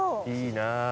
いいなぁ。